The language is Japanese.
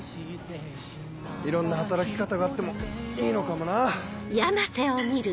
いろんな働き方があってもいいのかもな。